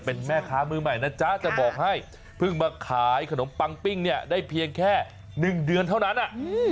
เป็นแม่ค้ามือใหม่นะจ๊ะจะบอกให้เพิ่งมาขายขนมปังปิ้งเนี่ยได้เพียงแค่๑เดือนเท่านั้นอ่ะ